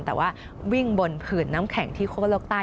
แต่ว่าวิ่งบนผื่นน้ำแข็งที่คั่วโลกใต้